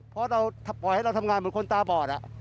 ปล่อยให้เราทำงานเหมือนคนตาบอด